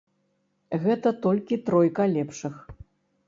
Гэта толькі тройка лепшых.